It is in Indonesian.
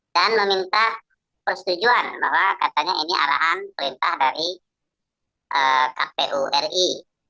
dan meminta persetujuan bahwa katanya ini arahan perintah dari kpu ri